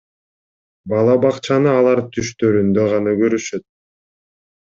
Бала бакчаны алар түштөрүндө гана көрүшөт.